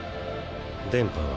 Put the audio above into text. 電波は？